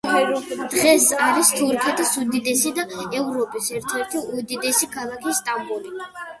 დღეს არის თურქეთის უდიდესი და ევროპის ერთ-ერთი უდიდესი ქალაქი სტამბოლი.